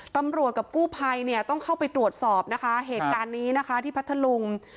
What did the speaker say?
ตำรวจกับกู้ภัยเนี่ยต้องเข้าไปตรวจสอบนะคะเหตุการณ์นี้นะคะที่พัทธลุง